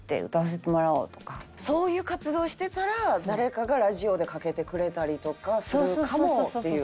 そういう活動してたら誰かがラジオでかけてくれたりとかするかもっていう。